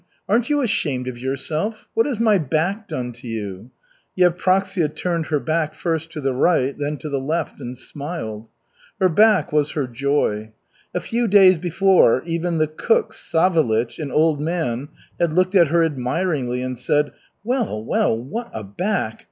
Aren't you ashamed of yourself? What has my back done to you?" Yevpraksia turned her back first to the right, then to the left, and smiled. Her back was her joy. A few days before even the cook Savelich, an old man, had looked at her admiringly and said: "Well, well, what a back!